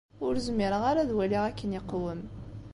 Ur zmireɣ ara ad waliɣ akken iqwem.